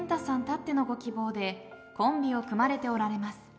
たってのご希望でコンビを組まれておられます